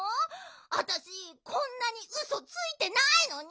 あたしこんなにウソついてないのに！